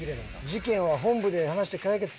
「事件は本部で話して解決するんじゃない！」